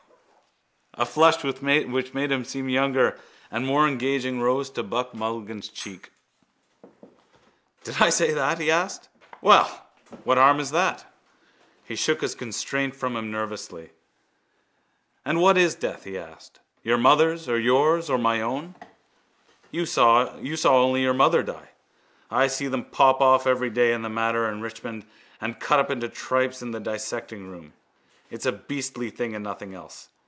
_ A flush which made him seem younger and more engaging rose to Buck Mulligan's cheek. —Did I say that? he asked. Well? What harm is that? He shook his constraint from him nervously. —And what is death, he asked, your mother's or yours or my own? You saw only your mother die. I see them pop off every day in the Mater and Richmond and cut up into tripes in the dissectingroom. It's a beastly thing and nothing else.